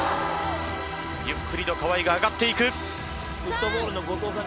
ゆっくりと河合が上がっていく。